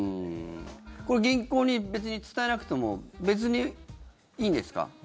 これ、銀行に伝えなくても別にいいんですか？